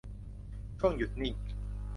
ช่วงหยุดนิ่ง